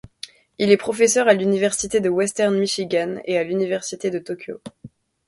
Il est professeur à l'université de Western Michigan et à l'université de Tokyo.